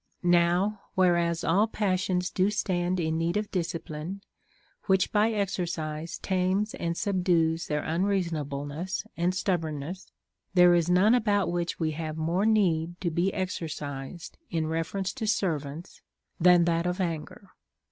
11. Now, whereas all passions do stand in need of dis cipline, which by exercise tames and subdues their un reasonableness and stubbornness, there is none about which we have more need to be exercised in reference to servants than that of anger.